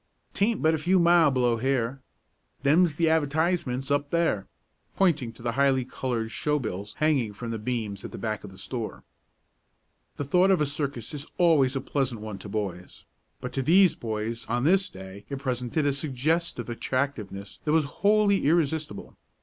'Taint but a few mile below here. Them's the advertisements up there," pointing to the highly colored show bills hanging from the beams at the back of the store. The thought of a circus is always a pleasant one to boys, but to these boys on this day it presented a suggestive attractiveness that was wholly irresistible.